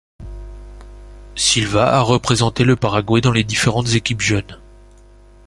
Silva a représenté le Paraguay dans les différentes équipes jeunes.